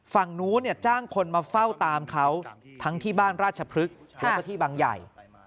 ฝั่งนู้นจ้างคนมาเฝ้าตามเขาทั้งที่บ้านราชพฤกษ์แล้วก็ที่บางใหญ่